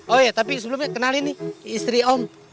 oh ya tapi sebelumnya kenalin nih istri om